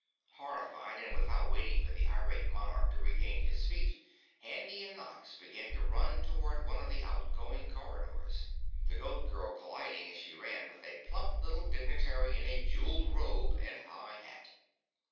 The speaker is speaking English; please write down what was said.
Horrified, and without waiting for the irate monarch to regain his feet, Handy and Nox began to run toward one of the outgoing corridors, the Goat Girl colliding as she ran with a plump little dignitary in a jeweled robe and high hat.